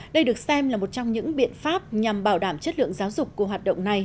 đây được xem là một trong những biện pháp nhằm bảo đảm chất lượng giáo dục của hoạt động này